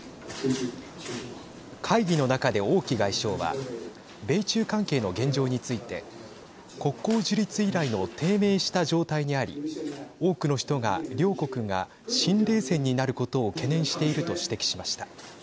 会議の中で、王毅外相は米中関係の現状について国交樹立以来の低迷した状態にあり多くの人が両国が新冷戦になることを懸念していると指摘しました。